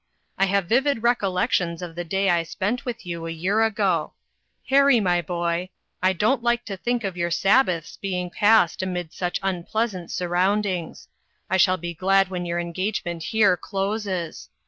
I have vivid recollections of the day I spent with you a year ago. Harry, my boy, I don't like to think of your Sab 376 DANGERS SEEN AND UNSEEN. 277 baths being passed amid such unpleasant surroundings. I shall be glad when your engagement here closes.